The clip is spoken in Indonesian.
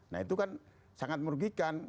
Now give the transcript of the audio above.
nah itu kan sangat merugikan